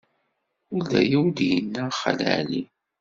Ur d aya ay d-yenna Xali Ɛli.